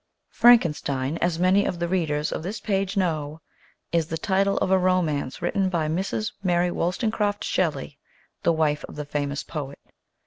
" Frankenstein," as many of the readers of this page know, is the title of a romance written by Mrs. Mary Wolls tone craft Shelley, the wife of the famous poet.